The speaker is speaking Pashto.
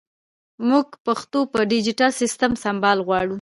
مونږ پښتو په ډیجېټل سیسټم سمبال غواړو